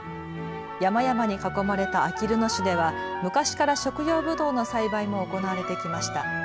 山々に囲まれたあきる野市では昔から食用ぶどうの栽培も行われてきました。